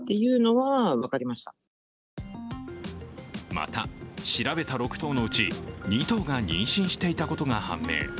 また、調べた６頭のうち２頭が妊娠していたことが判明。